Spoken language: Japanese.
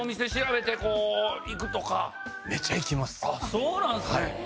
そうなんすね。